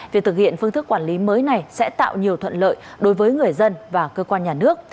việc thực hiện phương thức quản lý mới này sẽ tạo nhiều thuận lợi đối với người dân và cơ quan nhà nước